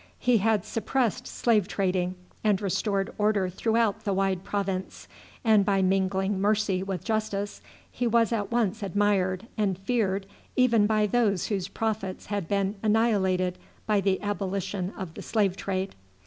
He had suppressed slave trading and restored order throughout the wide province, and by mingling mercy with justice he was at once admired and feared even by those whose profits had been annihilated by the abolition of the slave trade.